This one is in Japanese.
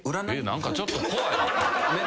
・何かちょっと怖い！